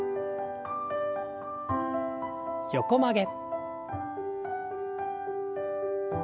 横曲げ。